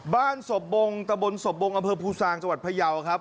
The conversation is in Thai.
ศพบงตะบนศพบงอำเภอภูซางจังหวัดพยาวครับ